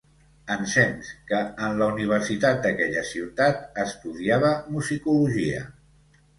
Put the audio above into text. Ensems, que en la Universitat d'aquella ciutat, estudiava musicologia.